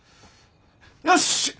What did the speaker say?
よし！